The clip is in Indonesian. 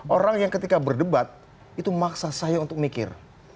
orang yang ketika berdebat itu maksa saya untuk mikir